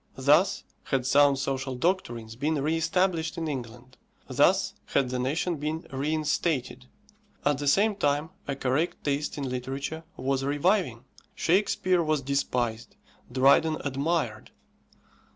Thus had sound social doctrines been re established in England; thus had the nation been reinstated. At the same time a correct taste in literature was reviving. Shakespeare was despised, Dryden admired.